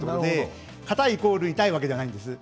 硬いイコール痛いではないんですね。